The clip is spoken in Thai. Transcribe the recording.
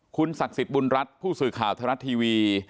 คุณศักดิ์สิทธิ์บุญรัฐผู้สื่อข่าวไทยรัฐทีวี